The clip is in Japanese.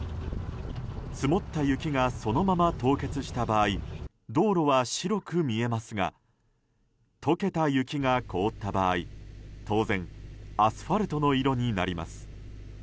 積もった雪がそのまま凍結した場合道路は白く見えますが解けた雪が凍った場合当然、アスファルトの色になります。